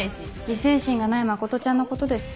自制心がない真ちゃんのことです。